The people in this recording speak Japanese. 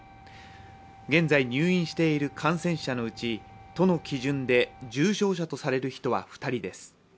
現在、入院している感染者のうち都の基準で重症者とされる人は２人です。